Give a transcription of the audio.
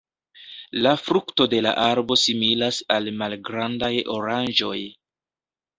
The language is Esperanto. La frukto de la arbo similas al malgrandaj oranĝoj.